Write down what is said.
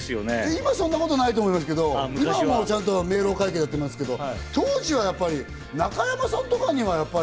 今はそんなことないと思いますけど、今は目黒会計でやってますけど。